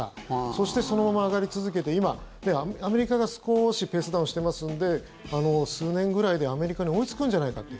そして、そのまま上がり続けて今、アメリカが少しペースダウンしていますので数年ぐらいでアメリカに追いつくんじゃないかと。